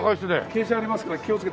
傾斜ありますから気をつけて。